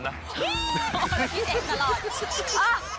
โอ๊ยเราคิดเองตลอด